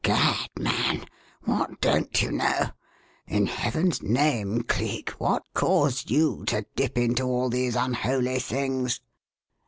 _ Gad, man! what don't you know? In heaven's name, Cleek, what caused you to dip into all these unholy things?"